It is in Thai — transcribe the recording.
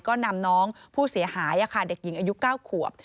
ก็นำน้องผู้เสียหายเด็กหญิงอายุ๙ขวบ